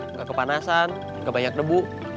nggak kepanasan nggak banyak nebu